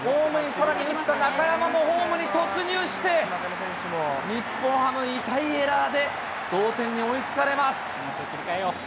さらに打った中山もホームに突入して、日本ハム、痛いエラーで同点に追いつかれます。